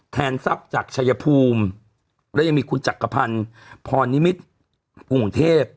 ทรัพย์จากชายภูมิและยังมีคุณจักรพันธ์พรนิมิตรกรุงเทพ